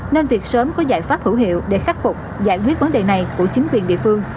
nên việc sớm có giải pháp hữu hiệu để khắc phục giải quyết vấn đề này của chính quyền địa phương